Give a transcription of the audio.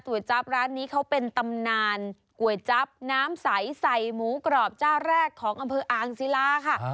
จั๊บร้านนี้เขาเป็นตำนานก๋วยจั๊บน้ำใสใส่หมูกรอบเจ้าแรกของอำเภออ่างศิลาค่ะ